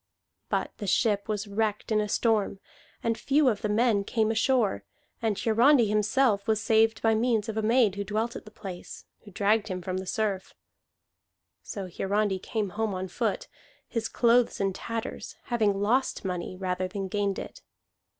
But the ship was wrecked in a storm, and few of the men came ashore; and Hiarandi himself was saved by means of a maid who dwelt at the place, who dragged him from the surf. So Hiarandi came home on foot, his clothes in tatters, having lost money rather than gained it.